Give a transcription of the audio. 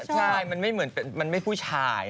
ใช่มันไม่เหมือนมันไม่ผู้ชาย